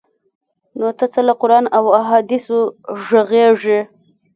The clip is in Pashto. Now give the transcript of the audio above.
ته نو څه له قران او احادیثو ږغیږې؟!